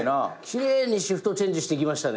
奇麗にシフトチェンジしてきましたね。